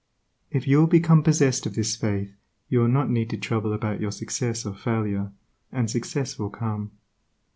If you will become possessed of this faith you will not need to trouble about your success or failure, and success will come.